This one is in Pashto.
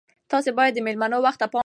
تاسي باید د میلمنو وخت ته پام وکړئ.